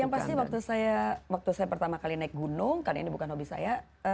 yang pasti waktu saya pertama kali naik gunung karena ini bukan hobi saya